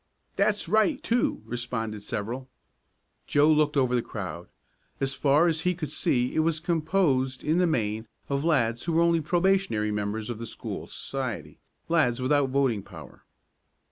"That's right, too," responded several. Joe looked over the crowd. As far as he could see it was composed in the main of lads who were only probationary members of the school society lads without voting power.